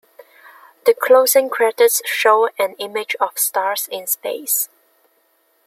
The closing credits show an image of stars in space.